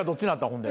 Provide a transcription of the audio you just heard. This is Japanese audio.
ほんで。